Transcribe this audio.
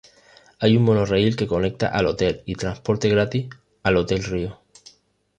Hay un monorriel que conecta al hotel, y transporte gratis al hotel Rio.